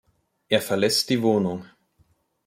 Er verlässt die Wohnung.